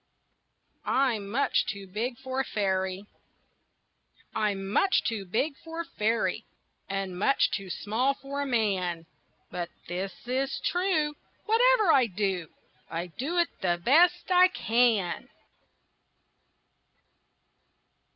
I'M MUCH TOO BIG FOR A FAIRY I'm much too big for a fairy, And much too small for a man, But this is true: Whatever I do, I do it the best I can.